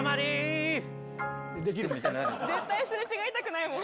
絶対すれ違いたくないもん。